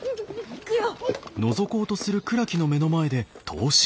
行くよ！